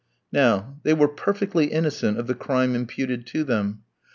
Now, they were perfectly innocent of the crime imputed to them.